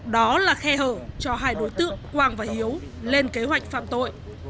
đó là khe hở cho hai đối tượng quang và hiếu lên kế hoạch phạm tội